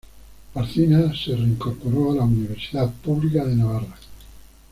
Barcina se reincorporó a la Universidad Pública de Navarra.